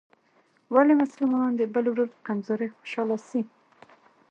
ولي مسلمان د بل ورور په کمزورۍ خوشحاله سي؟